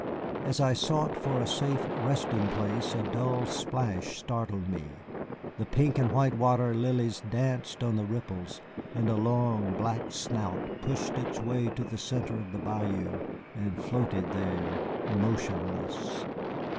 As I sought for a safe resting place a dull splash startled me, the pink and white water lilies danced on the ripples, and a long, black snout pushed its way to the centre of the bayou and floated there motionless.